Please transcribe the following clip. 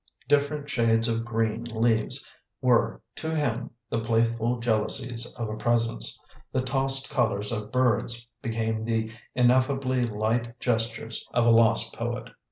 Different shades of green leaves were, to him, the playful jealousies of a presence; the tossed colours of birds became the ineffably light gestures of a lost poet.